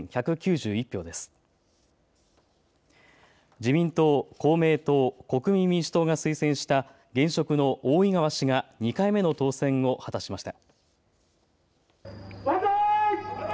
自民党、公明党国民民主党が推薦した現職の大井川氏が２回目の当選を果たしました。